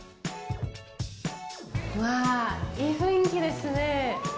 うわあ、いい雰囲気ですね。